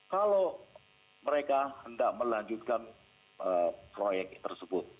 kalau mereka hendak melanjutkan proyek tersebut